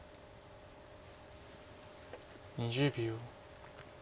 ２０秒。